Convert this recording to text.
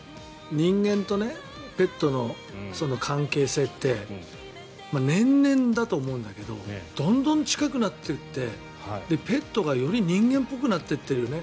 人間とペットの関係性って年々だと思うんだけどどんどん近くなっていってペットがより人間っぽくなってってるね。